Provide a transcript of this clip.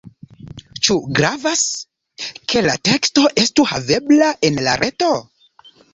Ĉu gravas, ke la teksto estu havebla en la reto?